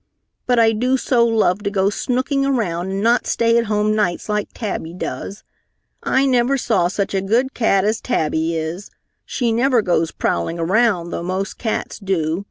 But I do so love to go snooking around and not stay at home nights like Tabby does. I never saw such a good cat as Tabby is. She never goes prowling around, though most cats do.